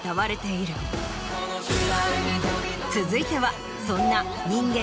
続いてはそんな人間